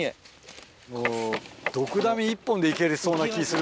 ドクダミ一本でいけそうな気する